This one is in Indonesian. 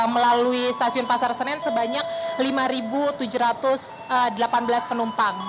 melalui stasiun pasar senen sebanyak lima tujuh ratus delapan belas penumpang